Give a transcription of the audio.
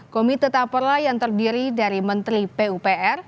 komite taperla yang terdiri dari menteri pupr